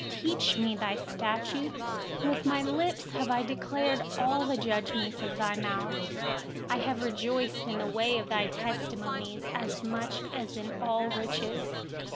Teach me your statutes. 13With my lips, I have declared all the ordinances of your mouth. 14I have rejoiced in the way of your testimonies, as much as in all riches.